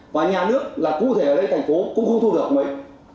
và nhà nước là cụ thể ở đây thành phố cũng không thu được mấy